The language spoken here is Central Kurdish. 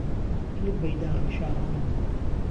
کلک بهيداغی شاهانه